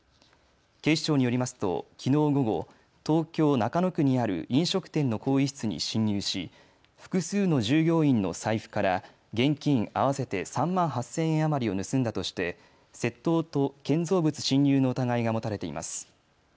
警視庁によりますときのう午後、東京中野区にある飲食店の更衣室に侵入し複数の従業員の財布から現金合わせて３万８０００円余りを盗んだとして窃盗と建造物侵入の疑いが持たれています。